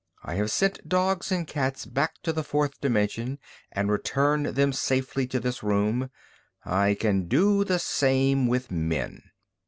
I have sent dogs and cats back to the fourth dimension and returned them safely to this room. I can do the same with men."